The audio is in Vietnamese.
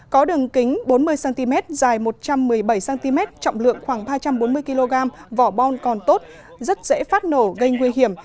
có đường kính bốn mươi cm dài một trăm một mươi bảy cm trọng lượng khoảng ba trăm bốn mươi kg vỏ bom còn tốt rất dễ phát nổ gây nguy hiểm